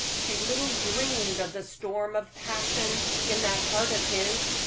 She little dreamed of the storm of passion in that heart of his.